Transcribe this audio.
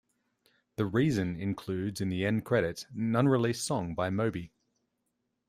"The Reason" includes, in the end credits, an unreleased song by Moby.